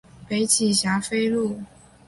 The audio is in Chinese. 北起霞飞路。